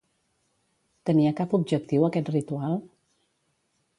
Tenia cap objectiu aquest ritual?